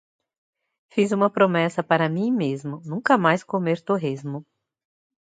Fiz uma promessa para mim mesmo, nunca mais comer torresmo.